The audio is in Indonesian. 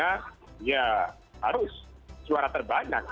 karena ya harus suara terbanyak